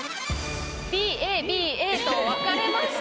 ＢＡＢＡと分かれました。